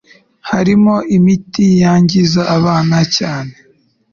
Harimo imiti yangiza abana cyane